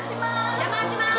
お邪魔しまーす！